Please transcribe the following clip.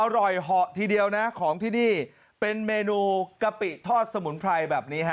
เหาะทีเดียวนะของที่นี่เป็นเมนูกะปิทอดสมุนไพรแบบนี้ฮะ